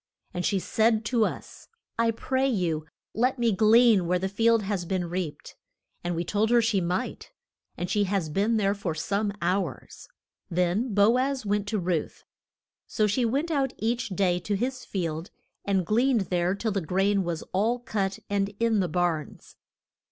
And she said to us, I pray you let me glean where the field has been reaped. And we told her she might, and she has been there for some hours. Then Bo az went to Ruth. So she went out each day to his field, and gleaned there till the grain was all cut and in the barns.